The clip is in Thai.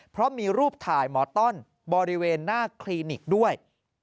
เพราะมีรูปถ่ายหมอต้อนบริเวณหน้าคลินิกด้วย